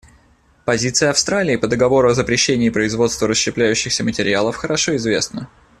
Позиция Австралии по договору о запрещении производства расщепляющихся материалов хорошо известна.